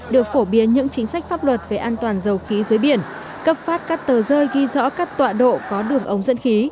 được phổ biến những chính sách pháp luật về an toàn dầu khí dưới biển cấp phát các tờ rơi ghi rõ các tọa độ có đường ống dẫn khí